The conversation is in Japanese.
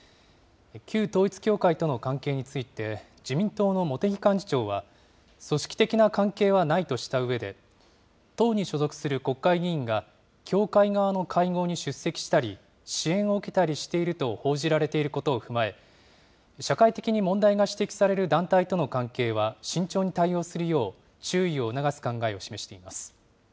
旧統一教会との関係について、自民党の茂木幹事長は、組織的な関係はないとしたうえで、党に所属する国会議員が教会側の会合に出席したり、支援を受けたりしていると報じられていることを踏まえ、社会的に問題が指摘される団体との関係は慎重に対応するよう、注意を促す考えを示しています。